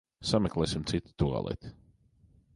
Sameklēsim citu tualeti.